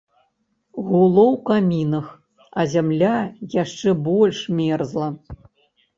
Гуло ў камінах, а зямля яшчэ больш мерзла.